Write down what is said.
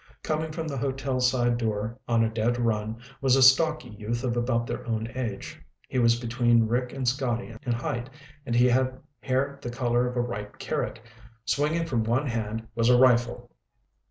Coming from the hotel's side door on a dead run was a stocky youth of about their own age. He was between Rick and Scotty in height, and he had hair the color of a ripe carrot. Swinging from one hand was a rifle.